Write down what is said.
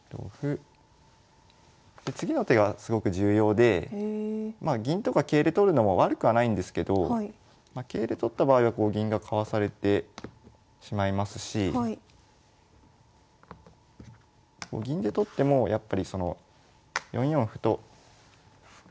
で次の手がすごく重要で銀とか桂で取るのも悪くはないんですけど桂で取った場合は銀がかわされてしまいますし銀で取ってもやっぱり４四歩と受けられて。